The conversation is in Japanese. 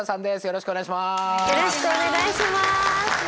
よろしくお願いします。